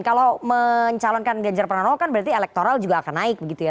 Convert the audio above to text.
kalau mencalonkan ganjar pranowo kan berarti elektoral juga akan naik begitu ya